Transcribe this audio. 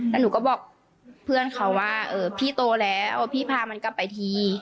แล้วหนูก็บอกเพื่อนเขาว่าพี่โตแล้วพี่พามันกลับไปที